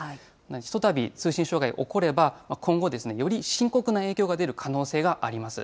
ひとたび、通信障害起きれば、今後、より深刻な影響が出る可能性があります。